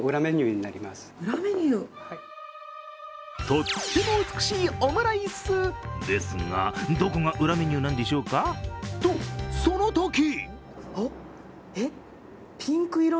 とっても美しいオムライスですがどこが裏メニューなんでしょうか？とそのとき！